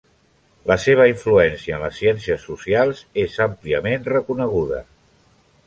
La seva influència en les ciències socials és àmpliament reconeguda.